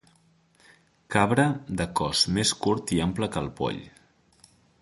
Cabra de cos més curt i ample que el poll.